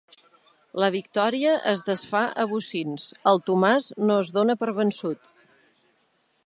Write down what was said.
La victòria es desfà a bocins, el Tomàs no es dóna per vençut.